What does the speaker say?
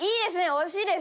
惜しいです！